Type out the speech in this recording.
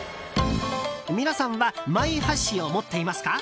皆さんはマイ箸を持っていますか？